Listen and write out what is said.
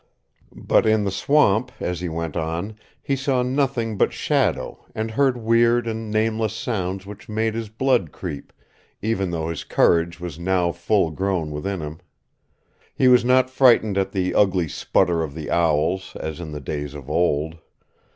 But in the swamp, as he went on, he saw nothing but shadow, and heard weird and nameless sounds which made his blood creep, even though his courage was now full grown within him. He was not frightened at the ugly sputter of the owls, as in the days of old.